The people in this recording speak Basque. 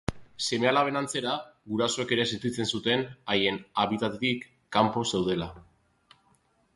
Seme-alaben antzera, gurasoek ere sentitzen zuten haien habitatetik kanpo zeudela.